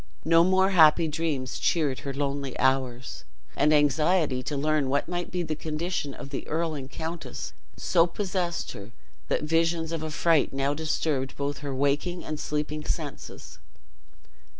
No more happy dreams cheered her lonely hours; and anxiety to learn what might be the condition of the earl and countess so possessed her that visions of affright now disturbed both her waking and sleeping senses.